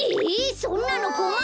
そんなのこまるよ。